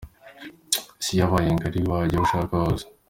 Isi yabaye ngari wajya aho ushaka hose.